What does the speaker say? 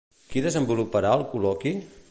Qui desenvoluparà el col·loqui?